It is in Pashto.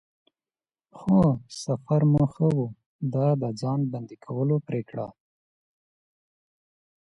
خو سفر مو ښه و، د د ځان بندی کولو پرېکړه.